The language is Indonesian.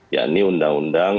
ya ini undang undang